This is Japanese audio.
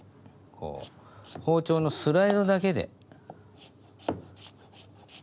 こう包丁のスライドだけで。